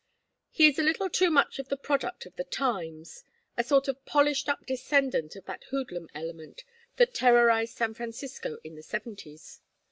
He is a little too much the product of the times a sort of polished up descendant of that hoodlum element that terrorized San Francisco in the Seventies.